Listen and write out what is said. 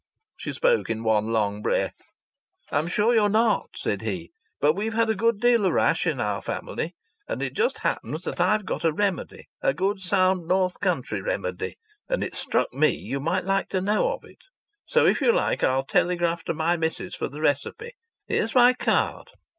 She spoke in one long breath. "I'm sure you're not," said he. "But we've had a good deal of rash in our family, and it just happens that I've got a remedy a good sound north country remedy and it struck me you might like to know of it. So if you like I'll telegraph to my missis for the recipe. Here's my card."